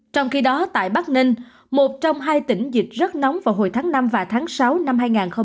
trong khi đó tại bắc ninh một trong hai tỉnh dịch rất nóng vào hồi tháng năm và tháng sáu năm hai nghìn hai mươi